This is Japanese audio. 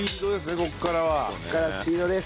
ここからスピードです。